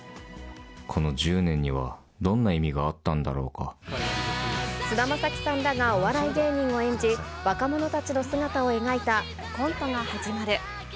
この１０年にはどんな意味が菅田将暉さんらがお笑い芸人を演じ、若者たちの姿を描いた、コントが始まる。